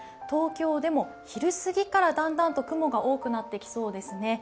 東京でも昼すぎからだんだんと雲が多くなってきそうですね。